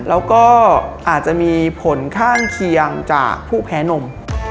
แล้วก็อาจจะมีผลข้างเคียงจากผู้แพ้นม